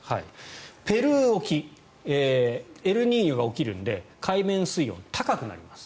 ペルー沖エルニーニョが起きるので海面水温が高くなります。